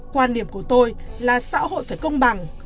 quan điểm của tôi là xã hội phải công bằng